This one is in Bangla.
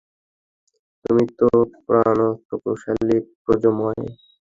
তুমি তো পুরাক্রমশালী, প্রজ্ঞাময়।